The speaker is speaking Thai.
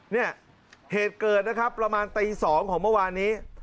เนี่ยเหตุเกิดนะครับประมาณตี๒ของเมื่อวานนี้